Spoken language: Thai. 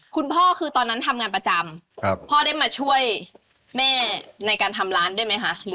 คุณพ่อคือตอนนั้นทำงานประจำพ่อได้มาช่วยแม่ในการทำร้านด้วยไหมคะ